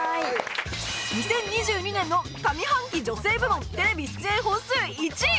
２０２２年の上半期女性部門テレビ出演本数１位